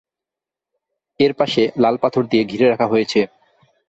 এর পাশে লাল পাথর দিয়ে ঘিরে রাখা হয়েছে।